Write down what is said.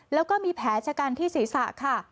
แล้วก็มีแผลชะกันที่ศีรษะค่ะ